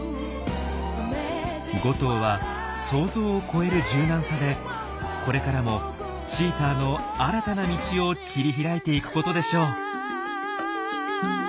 ５頭は想像を超える柔軟さでこれからもチーターの新たな道を切り開いていくことでしょう。